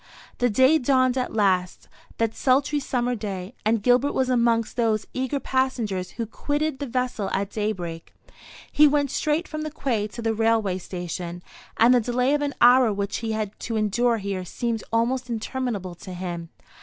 The day dawned at last, that sultry summer day, and Gilbert was amongst those eager passengers who quitted the vessel at daybreak. He went straight from the quay to the railway station, and the delay of an hour which he had to endure here seemed almost interminable to him.